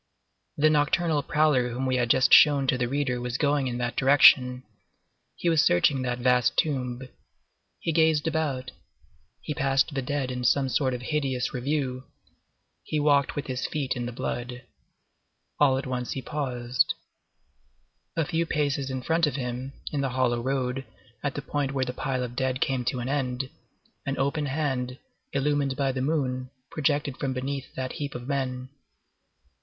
The nocturnal prowler whom we have just shown to the reader was going in that direction. He was searching that vast tomb. He gazed about. He passed the dead in some sort of hideous review. He walked with his feet in the blood. All at once he paused. A few paces in front of him, in the hollow road, at the point where the pile of dead came to an end, an open hand, illumined by the moon, projected from beneath that heap of men.